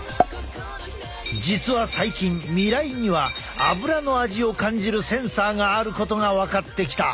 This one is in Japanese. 実は最近味蕾にはアブラの味を感じるセンサーがあることが分かってきた。